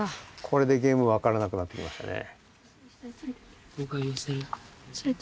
これでゲームわからなくなってきましたね。